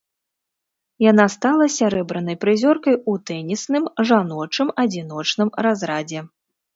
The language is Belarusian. Яна стала сярэбранай прызёркай у тэнісным жаночым адзіночным разрадзе.